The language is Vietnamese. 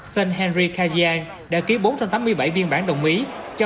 sơn henry kajian đã ký bản biểu quyết của hội đồng quán trị